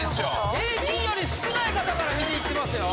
平均より少ない方から見ていってますよ。